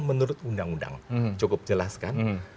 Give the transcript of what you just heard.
menurut undang undang cukup jelas kan